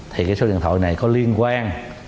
thì cái số điện thoại này có liên quan